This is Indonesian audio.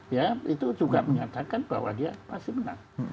ya itu juga menyatakan bahwa dia masih menang